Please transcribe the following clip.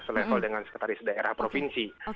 selevel dengan sekretaris daerah provinsi